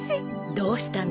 どうしたの？